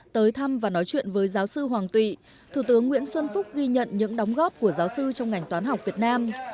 tới thăm và nói chuyện với giáo sư hoàng tụy thủ tướng nguyễn xuân phúc ghi nhận những đóng góp của giáo sư trong ngành toán học việt nam